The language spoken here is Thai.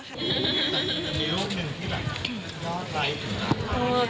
มีรูปหนึ่งที่แบบรอดไลค์ถึงร้าน